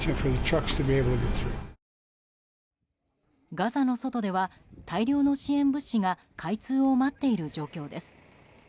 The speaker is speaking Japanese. ガザの外では大量の支援物資が開通を待っている状況です。